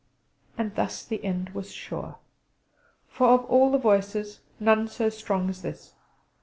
And thus the end was sure; for of all the voices none so strong as this!